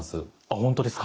本当ですか？